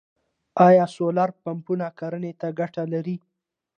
آیا سولر پمپونه کرنې ته ګټه لري؟